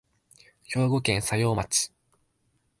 兵庫県佐用町